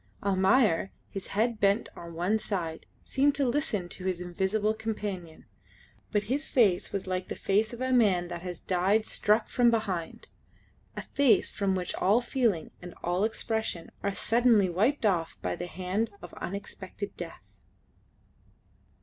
Almayer, his head bent on one side, seemed to listen to his invisible companion, but his face was like the face of a man that has died struck from behind a face from which all feelings and all expression are suddenly wiped off by the hand of unexpected death.